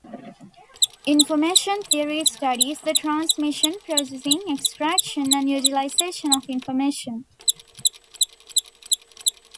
Information theory studies the transmission, processing, extraction, and utilization of information.